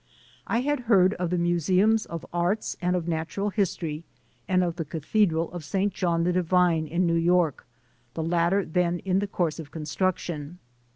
I had heard of the Museums of Arts and of Natural History, and of the Cathedral of St. John the Divine in New York, the latter then in the course of construction.